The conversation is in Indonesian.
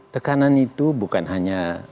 tekanan itu bukan hanya